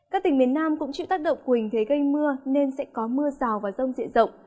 các tỉnh miền nam cũng chịu tác động của hình thế gây mưa nên sẽ có mưa rào và rông diện rộng